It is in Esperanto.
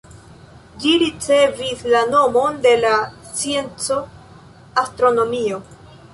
Ĝi ricevis la nomon de la scienco "astronomio".